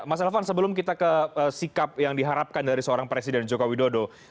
mas elvan sebelum kita ke sikap yang diharapkan dari seorang presiden joko widodo